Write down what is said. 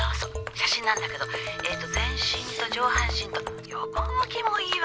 写真なんだけどえーと全身と上半身と横向きもいいわね。